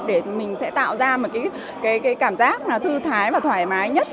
để mình sẽ tạo ra một cái cảm giác thư thái và thoải mái nhất